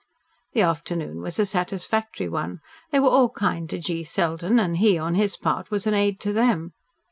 The afternoon was a satisfactory one. They were all kind to G. Selden, and he on his part was an aid to them.